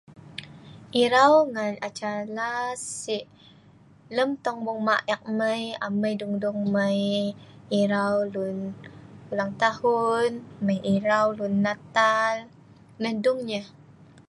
erau ngan acara sik lem tongbong ma' ek mai, amai dung dung mei erau lun ulang tahun, mei irau lun natal. nah dung yah